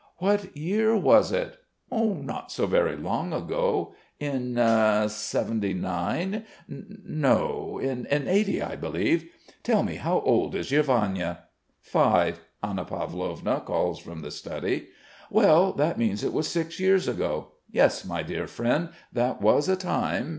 "What year was it?" "Not so very long ago.... In '79. No, in '80, I believe! Tell me how old is your Vanya?" "Five," Anna Pavlovna calls from the study. "Well, that means it was six years ago. Yes, my dear friend, that was a time.